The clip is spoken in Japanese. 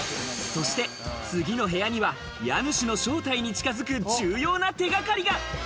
そして次の部屋には家主の正体に近づく重要な手がかりが！